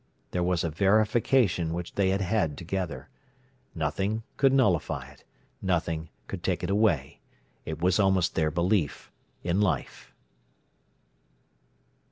There was a verification which they had had together. Nothing could nullify it, nothing could take it away; it was almost their belief in life.